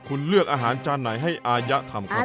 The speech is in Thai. คุณเลือกอาหารจานไหนให้อายะทำครับ